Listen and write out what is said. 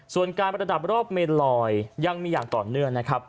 ส่วนการประดับรอบเมนลอยยังมีอย่างต่อเนื่องนะครับ